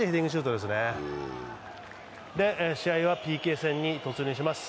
で、試合はＰＫ戦に突入します。